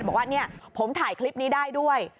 บอกว่าเนี่ยผมถ่ายคลิปนี้ได้ด้วย